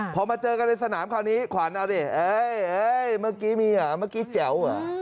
พอมาเจอกันในสนามคราวนี้ขวานเอาดิเฮ้ยเฮ้ยเมื่อกี้มีอ่ะเมื่อกี้แจ๋วอ่ะ